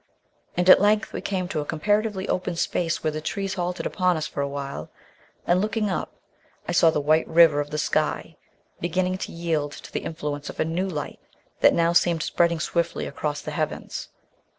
And, at length, we came to a comparatively open space where the trees halted upon us for a while, and, looking up, I saw the white river of the sky beginning to yield to the influence of a new light that now seemed spreading swiftly across the heavens.